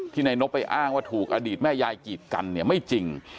นายนบไปอ้างว่าถูกอดีตแม่ยายกีดกันเนี่ยไม่จริง